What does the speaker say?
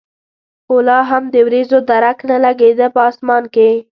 خو لا هم د ورېځو درک نه لګېده په اسمان کې.